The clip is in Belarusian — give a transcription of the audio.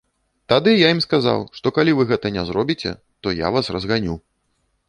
Тады я ім сказаў, што калі вы гэта не зробіце, то я вас разганю.